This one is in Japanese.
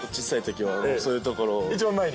一番前に？